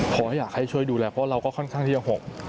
เพราะอยากให้ช่วยดูแลเพราะว่าเราก็ค่อนข้างที่จะห่วง